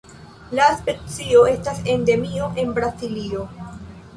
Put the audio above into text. La specio estas endemio en Brazilo.